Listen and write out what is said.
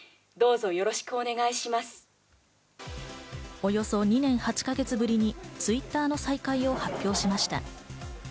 およそ２年８か月ぶりにＴｗｉｔｔｅｒの再開を発表しました。